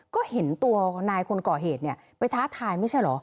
ก็เห็นตัวนายคนก่อเหตุเนี่ยไปท้าทายไม่ใช่เหรอ